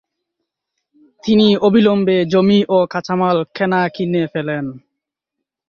তিনি অবিলম্বে জমি ও কাঁচামাল কেনা কিনে ফেলেন।